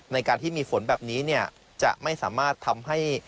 ในการที่มีฝนแบบนี้จะไม่สามารถทำให้